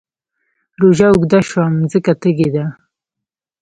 روژه اوږده شوه مځکه تږې ده